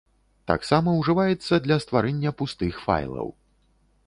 Таксама ўжываецца для стварэння пустых файлаў.